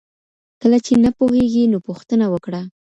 کله چي نه پوهیږې نو پوښتنه وکړه.